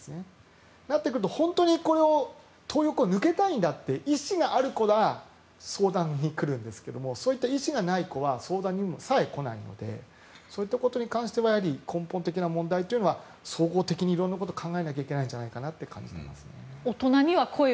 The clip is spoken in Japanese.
そうなってくると本当にトー横を抜けたいんだって意思がある子が相談に来るんですけどそういった意思がない子は相談にさえ来ないのでそういったことに関しては根本的な問題というのは総合的に色々考えないといけないと思います。